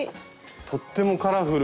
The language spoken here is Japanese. とってもカラフルで。